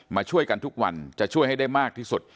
มาช่วยกันทุกวันจะช่วยให้ได้มากที่สุด